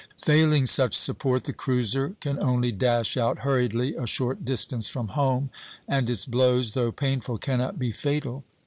Failing such support, the cruiser can only dash out hurriedly a short distance from home, and its blows, though painful, cannot be fatal.